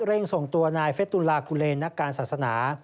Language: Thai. เร่งส่งตัวนายเฟสตุลากุเลนักการศาสนา